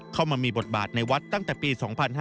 เข้ามามีบทบาทในวัดตั้งแต่ปี๒๕๕๙